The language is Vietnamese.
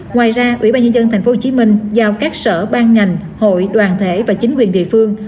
ngoài ra ủy ban nhân dân tp hcm giao các sở ban ngành hội đoàn thể và chính quyền địa phương